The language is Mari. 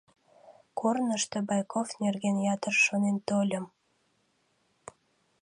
Корнышто Байков нерген ятыр шонен тольым.